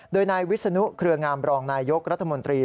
โดยนายวิศนุเครืองามรองนายยกรัฐมนตรี